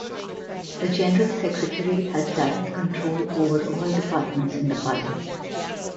The General Secretary has direct control over all departments in the party.